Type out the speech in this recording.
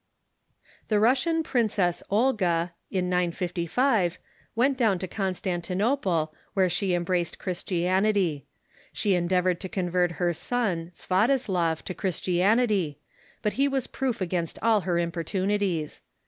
The Russian princess Olga, in 955, went down to Constan tinople, where she embraced Christianity. She endeavored to „. convert her son Swiatoslav to Christianity, but he was nllSSIS , proof against all her importunities.